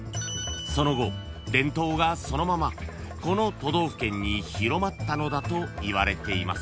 ［その後伝統がそのままこの都道府県に広まったのだといわれています］